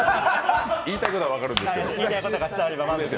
言いたいことは分かるんですけど。